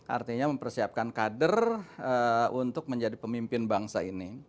artinya mempersiapkan kader untuk menjadi pemimpin bangsa ini